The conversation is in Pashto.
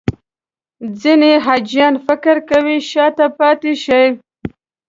ځینې حاجیان فکر کوي شاته پاتې شي.